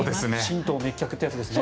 心頭滅却というやつですね。